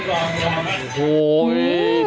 ครับจอดหน้าแล้วคุณรอ